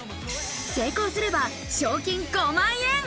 成功すれば賞金５万円！